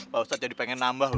pak ustadz jadi pengen nambah